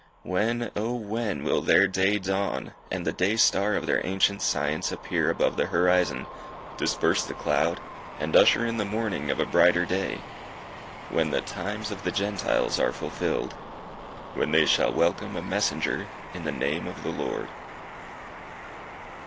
When O when, will their day dawn, and the day star of their ancient science appear above the horizon, disperse the cloud, and usher in the morning of a brighter day? When the times of the Gentiles are fulfilled. When they shall welcome a messenger in the name of the Lord.